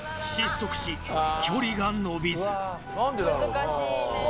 難しいね。